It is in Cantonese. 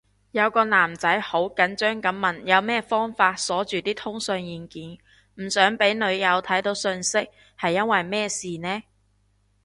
有個男仔好緊張噉問有咩方法鎖咗啲通訊軟件，唔想俾女友睇到訊息，係因為咩事呢？